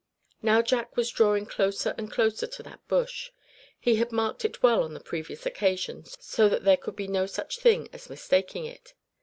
Now Jack was drawing closer and closer to that bush. He had marked it well on the previous occasion, so that there could be no such thing as mistaking it.